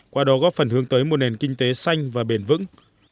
qua đó góp phần hướng tới một nền kinh tế xanh và bền vững